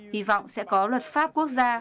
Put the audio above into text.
hy vọng sẽ có luật pháp quốc gia